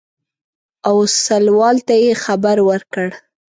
اوسلوال ته یې خبر ورکړ.